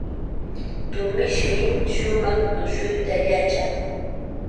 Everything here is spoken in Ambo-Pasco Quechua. Tumishmi shumaq tushuyta yachan.